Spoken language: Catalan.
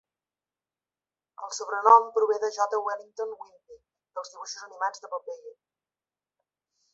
El sobrenom prové de J. Wellington Wimpy dels dibuixos animats de Popeye.